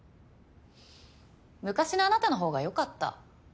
昔のあなたのほうが良かった。